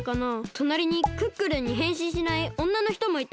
となりにクックルンにへんしんしないおんなのひともいた。